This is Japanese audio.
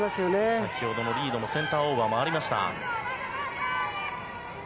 先ほどのリードのセンターオーバーもありました。